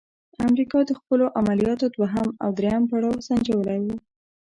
امریکا د خپلو عملیاتو دوهم او دریم پړاو سنجولی وو.